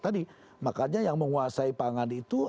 tadi makanya yang menguasai pangan itu